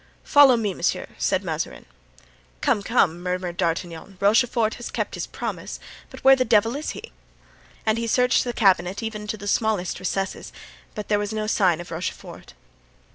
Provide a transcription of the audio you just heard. "Follow me, monsieur," said Mazarin. "Come, come," murmured D'Artagnan, "Rochefort has kept his promise, but where in the devil is he?" And he searched the cabinet even to the smallest recesses, but there was no sign of Rochefort.